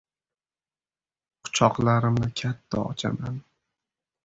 Quchoqlarimni katta ochaman.